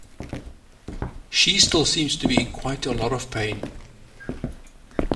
She still seems to be in quite a lot of pain.